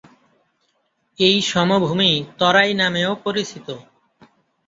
এই সমভূমি তরাই নামেও পরিচিত।